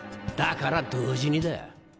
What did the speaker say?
だから同時にだ。